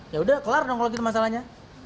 ya udah kelar dong kalau gitu masalahnya